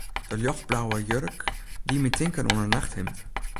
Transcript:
De ljochtblauwe jurk die my tinken oan in nachthimd.